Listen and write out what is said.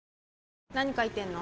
何書いてんの？